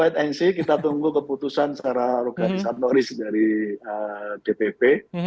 ya kita wait and see kita tunggu keputusan secara organisatoris dari dpp